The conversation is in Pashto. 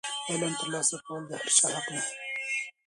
د علم ترلاسه کول د هر چا حق دی.